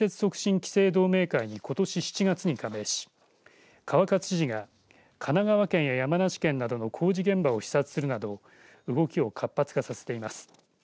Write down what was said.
期成同盟会にことし７月に加盟し川勝知事が神奈川県や山梨県などの工事現場を視察するなど動きを活発化させています。